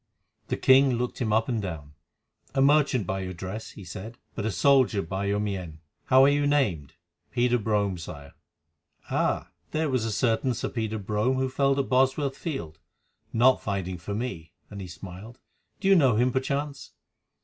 The king looked him up and down. "A merchant by your dress," he said; "but a soldier by your mien. How are you named?" "Peter Brome, Sire." "Ah! There was a certain Sir Peter Brome who fell at Bosworth Field—not fighting for me," and he smiled. "Did you know him perchance?"